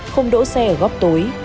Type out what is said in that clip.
không đỗ xe ở góc tối